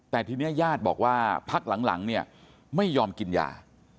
แต่ทีนี้ญาติบอกว่าพักหลังเนี่ยไม่ยอมกินยา